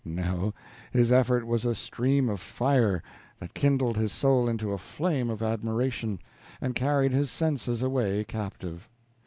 No, his effort was a stream of fire, that kindled his soul into a flame of admiration, and carried his senses away captive.